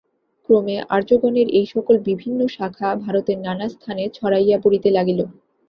ক্রমে আর্যগণের এই সকল বিভিন্ন শাখা ভারতের নানাস্থানে ছড়াইয়া পড়িতে লাগিল।